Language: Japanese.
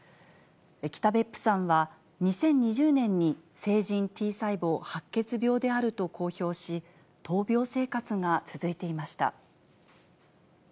北別府さんは、２０２０年に成人Ｔ細胞白血病であると公表し、闘病生活が続いていました。